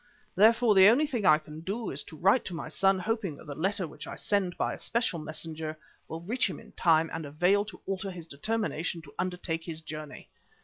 Therefore, the only thing I can do is to write to my son hoping that the letter which I send by a special messenger will reach him in time and avail to alter his determination to undertake this journey.